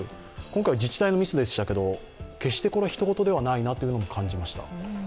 今回は自治体のミスですけど決して人ごとではないなと感じました。